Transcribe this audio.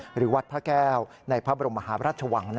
หรือวัดพระแก้วในพระบรมมหาพระราชวัง